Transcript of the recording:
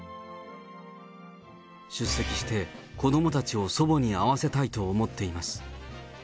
出席して、子どもたちを祖母に会わせたいと思っています。